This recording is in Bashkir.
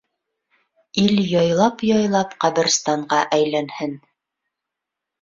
Ил яйлап-яйлап ҡәберстанға әйләнһен.